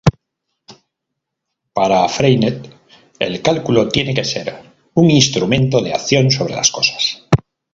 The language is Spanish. Para Freinet, el cálculo tiene que ser un instrumento de acción sobre las cosas.